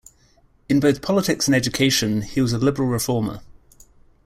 In both politics and education, he was a liberal reformer.